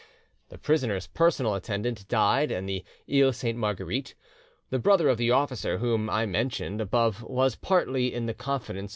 "The prisoner's personal attendant died in the Iles Sainte Marguerite. The brother of the officer whom I mentioned above was partly in the confidence of M.